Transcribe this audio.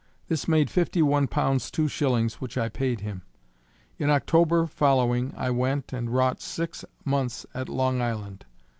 This made fifty one pounds two shillings which I paid him. In October following I went and wrought six months at Long Island.